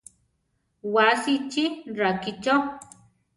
Wasi chi rakícho.